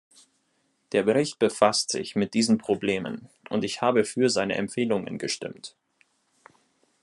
Der Bericht befasst sich mit diesen Problemen, und ich habe für seine Empfehlungen gestimmt.